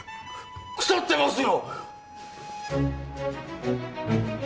腐ってますよ！